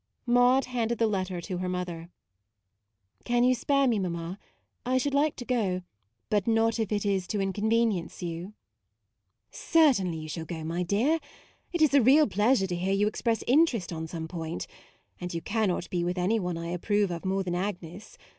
Maude handed the letter to her mother :" Can you spare me, mam ma? I should like to go, but not if it is to inconvenience you." u Certainly, you shall go, my dear. It is a real pleasure to hear you ex press interest on some point, and you cannot be with any one I approve of more than Agnes.